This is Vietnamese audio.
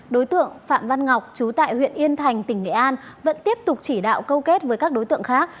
đối tượng phạm văn ngọc chú tại huyện yên thành tỉnh nghệ an vẫn tiếp tục chỉ đạo câu kết với các đối tượng khác